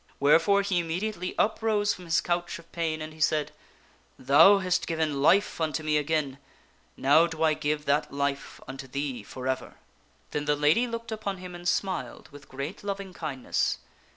Wherefore he immediately uprose from his couch of pain, and he said, " Thou hast given life unto me again, now do I give that life unto thee forever." PARCENET BRINGS NEWS OF SIR PELLIAS 275 Then the lady looked upon him and smiled with great loving kindness.